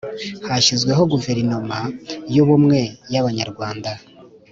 hashyizweho Guverinoma y’Ubumwe y’Abanyarwanda,